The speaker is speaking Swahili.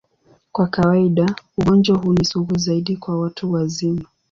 Kwa kawaida, ugonjwa huu ni sugu zaidi kwa watu wazima.